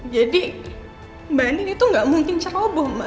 jadi mbak andi itu gak mungkin ceroboh ma